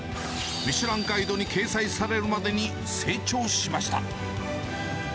ミシュランガイドに掲載されるまでに成長しました。